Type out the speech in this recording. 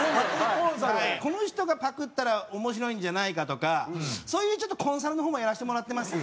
この人がパクったら面白いんじゃないか？とかそういうコンサルの方もやらせてもらってます。